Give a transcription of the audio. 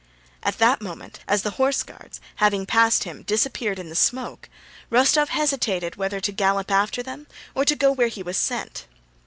At that moment, as the Horse Guards, having passed him, disappeared in the smoke, Rostóv hesitated whether to gallop after them or to go where he was sent.